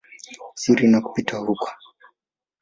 siri na kupita huko.